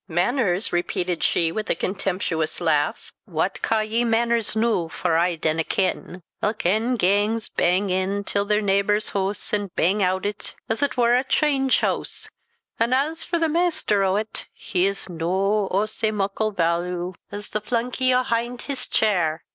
"Mainers!" repeated she, with a contemptuous laugh, "what caw ye mainers noo, for I dinna ken? Ilk ane gangs bang in till their neebor's hoose, and bang oot o't as it war a chynge hoose; an' as for the maister o't, he's no o' sae muckle vaalu as tho flunky ahynt his chyre.